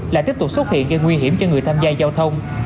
lại tiếp tục xuất hiện gây nguy hiểm cho người tham gia giao thông